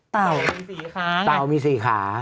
เต่ามี๔ขาไงเต่ามี๔ขา